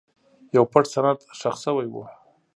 یو پټ سند ښخ شوی و.